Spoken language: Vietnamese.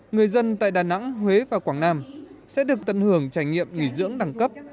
người dân tại đà nẵng huế và quảng nam sẽ được tận hưởng trải nghiệm nghỉ dưỡng đẳng cấp